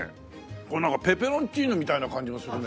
これなんかペペロンチーノみたいな感じもするね。